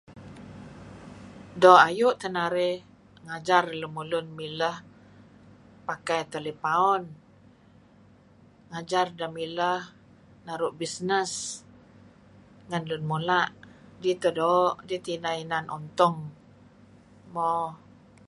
Doo' ayu' teh narih ngajar lemulun mileh pakai talipaun, Ngajar deh mieleh naru' bisnes ngen lun mula'. Dih teh doo'. Dih teh inan untung, Mo...